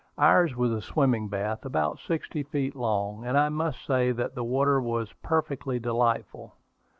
Ours was a swimming bath, about sixty feet long; and I must say that the water was perfectly delightful.